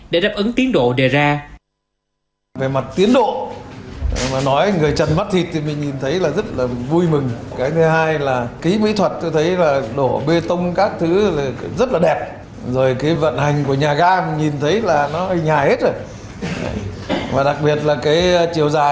để đáp ứng tiến độ đề ra